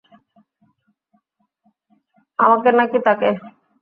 আমাকে নাকি তাকে?